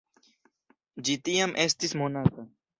Ĝi tiam estis monata.